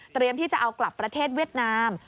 ที่จะเอากลับประเทศเวียดนาม